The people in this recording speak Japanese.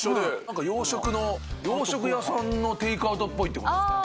洋食屋さんのテイクアウトっぽいって事ですか。